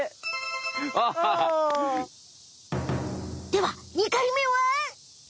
では２回めは！？